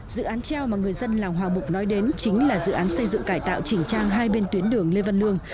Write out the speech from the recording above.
dự án treo mà người dân làng hòa mục nói đến chính là dự án xây dựng cải tạo chỉnh trang hai bên tuyến đường lê văn lương